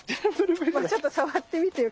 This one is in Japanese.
ちょっと触ってみてよ